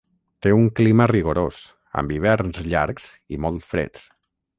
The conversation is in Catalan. Té un clima rigorós, amb hiverns llargs i molt freds.